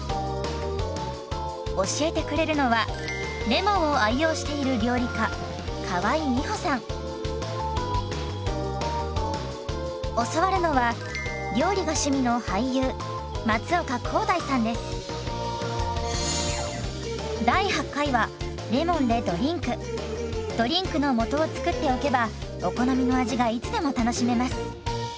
教えてくれるのはレモンを愛用している教わるのはドリンクの素を作っておけばお好みの味がいつでも楽しめます。